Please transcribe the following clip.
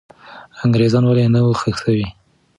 انګریزان ولې نه وو ښخ سوي؟